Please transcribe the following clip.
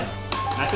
ナイス！